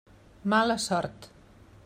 Mala sort.